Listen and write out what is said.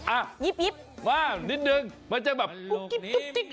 อ่ะมานิดนึงมันจะแบบยิบ